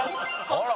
あら！